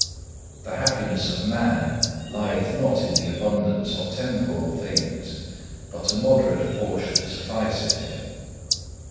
The happiness of man lieth not in the abundance of temporal things but a moderate portion sufficeth him.